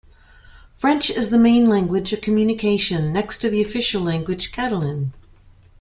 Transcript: French is the main language of communication next to the official language, Catalan.